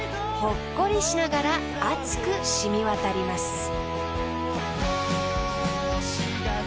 ［ほっこりしながら熱く染み渡ります］